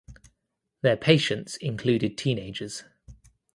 Their patients included teenagers.